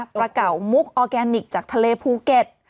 กระเป๋ามุกออร์แกนิคจากทะเลภูเก็ต